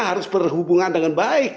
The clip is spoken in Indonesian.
harus berhubungan dengan baik